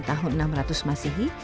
tahun enam ratus masihi